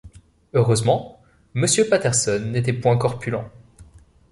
Heureusement, Monsieur Patterson n’était point corpulent.